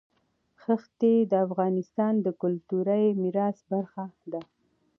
ښتې د افغانستان د کلتوري میراث برخه ده.